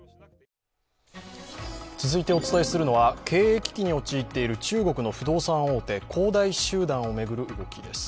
続いてお伝えするのは経営危機に陥っている中国の不動産大手、恒大集団についてです。